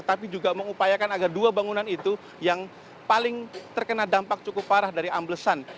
tapi juga mengupayakan agar dua bangunan itu yang paling terkena dampak cukup parah dari amblesan